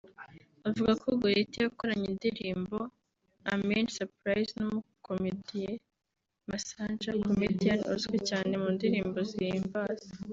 Avuga ko Gorethi yakoranye indirimbo “Ameni Surprise” n’ umukomediye Masanja (comedian) uzwi cyane mu ndirimbo zihimbaza